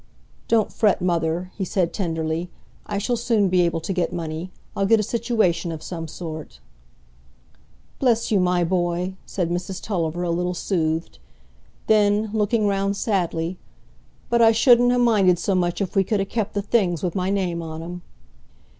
"Don't fret, mother," he said tenderly. "I shall soon be able to get money; I'll get a situation of some sort." "Bless you, my boy!" said Mrs Tulliver, a little soothed. Then, looking round sadly, "But I shouldn't ha' minded so much if we could ha' kept the things wi' my name on 'em."